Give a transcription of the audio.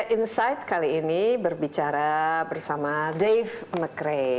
insight kali ini berbicara bersama dave mcrey